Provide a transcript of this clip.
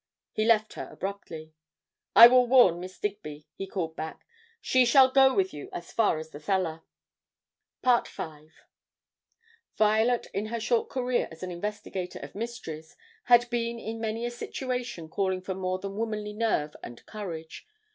He left her abruptly. "I will warn Miss Digby," he called back. "She shall go with you as far as the cellar." V Violet in her short career as an investigator of mysteries had been in many a situation calling for more than womanly nerve and courage.